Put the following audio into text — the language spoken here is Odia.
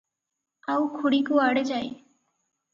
ଆଉ ଖୁଡ଼ି କୁଆଡ଼େ ଯାଏ ।